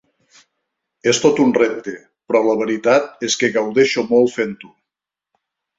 És tot un repte però la veritat és que gaudeixo molt fent-ho.